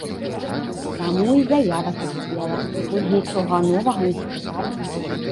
Таму і заява саспела, мы ж нічога новага не сказалі.